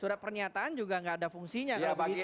surat pernyataan juga nggak ada fungsinya